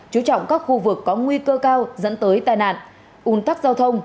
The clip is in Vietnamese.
chú trọng các khu vực có nguy cơ cao dẫn tới tai nạn un tắc giao thông